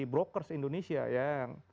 brokers indonesia yang